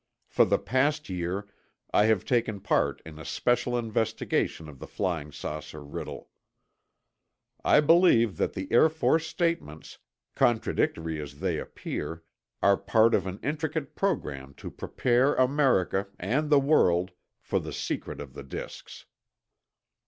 For the past year, I have taken part in a special investigation of the flying saucer riddle. I believe that the Air Force statements, contradictory as they appear, are part of an intricate program to prepare America—and the world—for the secret of the disks.